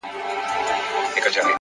د رڼا او سیوري حرکت د دیوال شکل بدلوي!